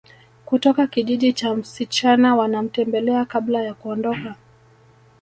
Kutoka kijiji cha msichana wanamtembelea kabla ya kuondoka